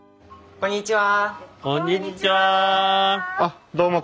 こんにちは。